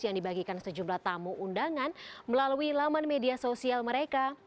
yang dibagikan sejumlah tamu undangan melalui laman media sosial mereka